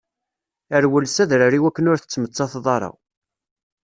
Rwel s adrar iwakken ur tettmettateḍ ara.